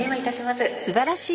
すばらしい！